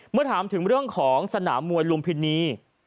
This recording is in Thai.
เมื่อถามถึงเรื่องของสนามมวยลุมพินี